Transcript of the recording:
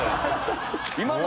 今の。